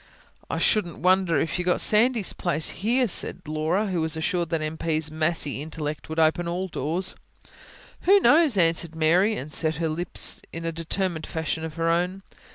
"I shouldn't wonder if you got Sandy's place here," said Laura, who was assured that M. P.'s massy intellect would open all doors. "Who knows?" answered Mary, and set her lips in a determined fashion of her own.